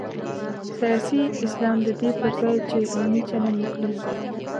سیاسي اسلام د دې پر ځای چې علمي چلند وکړي.